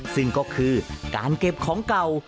ซึ่งก็คือการเก็บของเก่า